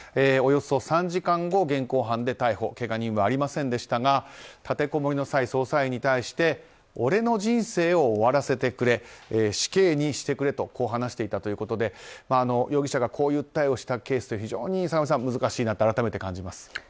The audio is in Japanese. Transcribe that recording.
およそ３時間後現行犯で逮捕けが人はいませんでしたが立てこもりの際、捜査員に対して俺の人生を終わらせてくれ死刑にしてくれと話していたということで容疑者がこういう訴えをしたケースって坂上さん、非常に難しいなと改めて感じます。